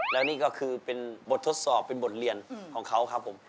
แล้วนี่ก็คือเป็นบททดสอบเป็นบทเรียนของเขาครับผม